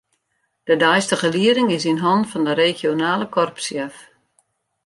De deistige lieding is yn hannen fan de regionale korpssjef.